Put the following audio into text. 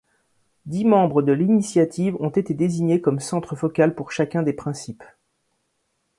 Dix membres de l’initiative ont été désignés comme centre focal pour chacun des principes.